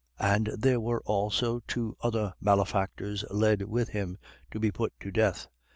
23:32. And there were also two other malefactors led with him to be put to death.